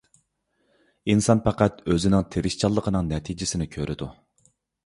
ئىنسان پەقەت ئۆزىنىڭ تىرىشقىنىنىڭ نەتىجىسىنى كۆرىدۇ.